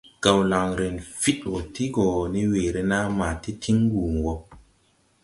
Gawlaŋre fiɗwɔɔ ti gɔ ne weere naa ma ti tiŋ wuu wɔ.